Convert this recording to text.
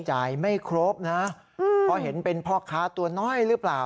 ไม่ครบนะเพราะเห็นเป็นพ่อค้าตัวน้อยหรือเปล่า